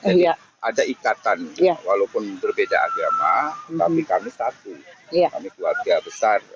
jadi ada ikatan walaupun berbeda agama tapi kami satu kami keluarga besar